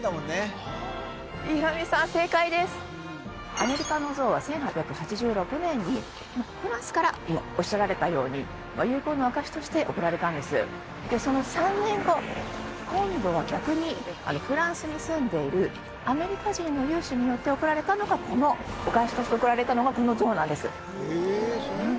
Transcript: アメリカの像は１８８６年にフランスから今おっしゃられたように友好の証しとして贈られたんですでその３年後今度は逆にフランスに住んでいるアメリカ人の有志によって贈られたのがこのお返しとして贈られたのがこの像なんです